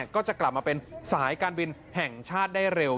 ก็จะกลับมาเป็นสายการบินแห่งชาติได้เร็ว